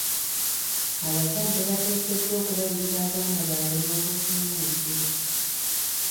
Abazadde bateekeddwa okulabirira abaana baabwe n'obuvunaanyizibwa..